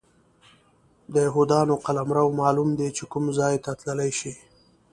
د یهودانو قلمرو معلوم دی چې کوم ځای ته تللی شي.